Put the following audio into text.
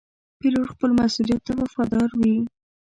پیلوټ خپل مسؤولیت ته وفادار وي.